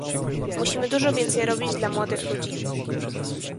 Musimy dużo więcej robić dla młodych ludzi